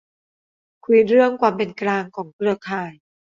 คุยเรื่อง "ความเป็นกลางของเครือข่าย"